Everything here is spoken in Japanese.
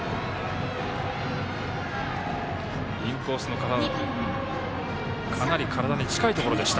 インコースかなり体に近いところでした。